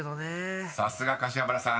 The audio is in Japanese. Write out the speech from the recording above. ［さすが柏原さん。